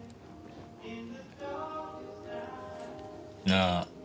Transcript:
なあ。